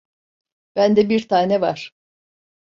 Bende bir tane var.